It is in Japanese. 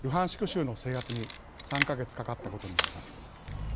州の制圧に３か月かかったことになります。